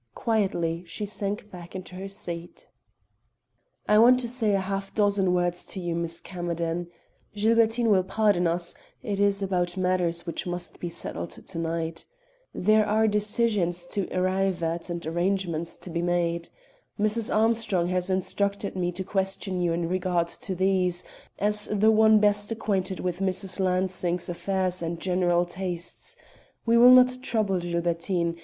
Quietly she sank back into her seat. "I want to say a half dozen words to you, Miss Camerden. Gilbertine will pardon us; it is about matters which must be settled to night. There are decisions to arrive at and arrangements to be made. Mrs. Armstrong has instructed me to question you in regard to these, as the one best acquainted with Mrs. Lansing's affairs and general tastes. We will not trouble Gilbertine.